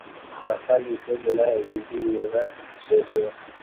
tamathali za usemi na idhini za kishairi